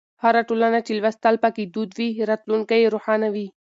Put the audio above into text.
هره ټولنه چې لوستل پکې دود وي، راتلونکی یې روښانه وي.